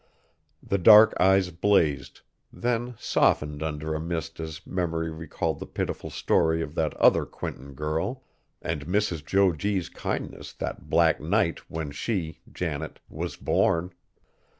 The dark eyes blazed; then softened under a mist as memory recalled the pitiful story of that other Quinton girl; and Mrs. Jo G.'s kindness that black night when she, Janet, was born.